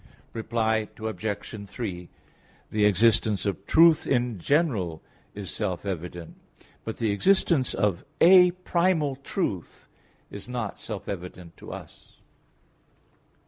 Reply Obj. 3: The existence of truth in general is self evident but the existence of a Primal Truth is not self evident to us.